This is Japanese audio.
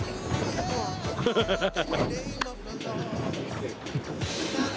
ハハハハハ！